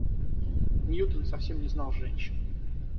Ньютон совсем не знал женщин.